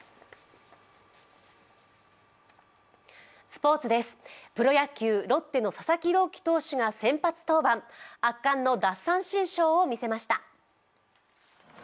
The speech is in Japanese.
スポーツです、プロ野球、ロッテの佐々木朗希投手が先発登板、圧巻の奪三振ショーを見せました。